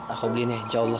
aku beliin ya insya allah